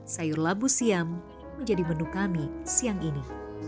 sayur labu siam menjadi menu kami siang ini